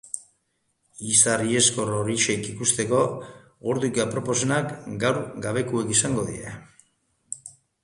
Izar iheskor horiek ikusteko ordurik aproposenak gaur gauekoak izango dira.